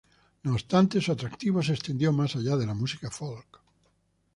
No obstante, su atractivo se extendió más allá de la música folk.